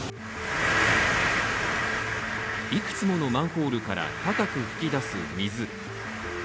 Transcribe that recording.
いくつものマンホールから高く噴き出す水。